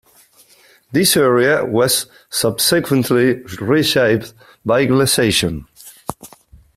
This area was subsequently reshaped by glaciation.